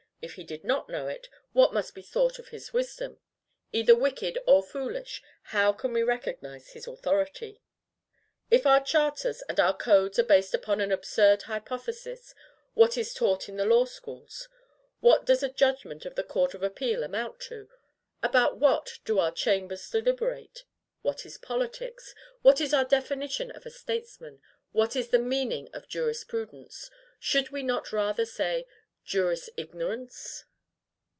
If he did not know it, what must be thought of his wisdom? Either wicked or foolish, how can we recognize his authority? If our charters and our codes are based upon an absurd hypothesis, what is taught in the law schools? What does a judgment of the Court of Appeal amount to? About what do our Chambers deliberate? What is POLITICS? What is our definition of a STATESMAN? What is the meaning of JURISPRUDENCE? Should we not rather say JURISIGNORANCE?